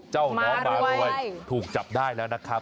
น้องมารวยถูกจับได้แล้วนะครับ